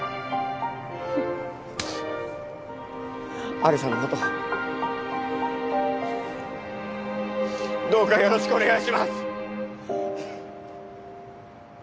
有沙のことどうかよろしくお願いします。